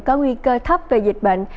có nguy cơ thấp về dịch bệnh